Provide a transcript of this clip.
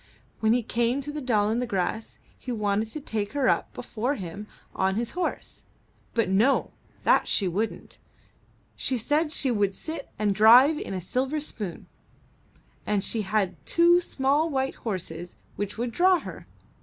When he came to the Doll i' the Grass he wanted to take her up before him on his horse; but no, that she wouldn't; she said she would sit and drive in a silver spoon, and she had two small white horses which would draw her.